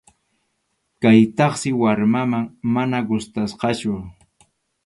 Kaytaqsi warmaman mana gustasqachu.